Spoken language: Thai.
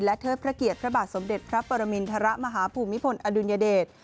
เทิดพระเกียรติพระบาทสมเด็จพระปรมินทรมาฮภูมิพลอดุลยเดช